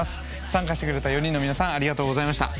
参加してくれた４人の皆さんありがとうございました。